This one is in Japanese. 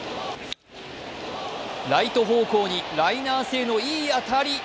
ライト方向にライナー性のいい当たり。